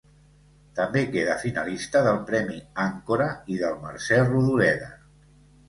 També queda finalista del premi Àncora i del Mercè Rodoreda.